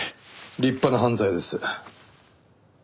立派な犯罪です。